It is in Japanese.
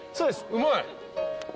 うまい？